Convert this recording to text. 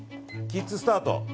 キッズスタート。